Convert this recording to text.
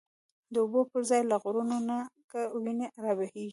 د اوبو پر ځای له غرونو، نګه وینی رابهیږی